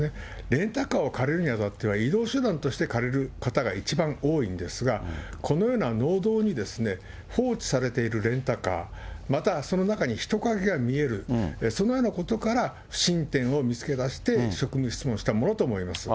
レンタカーを借りるにあたっては、移動手段として借りる方が一番多いんですが、このような農道に放置されているレンタカー、またその中に人影が見える、そのようなことから、不審点を見つけ出して、職務質問したものと思います。